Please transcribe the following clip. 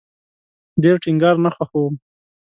ډیر ټینګار نه خوښوم